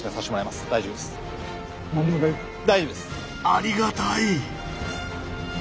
ありがたい！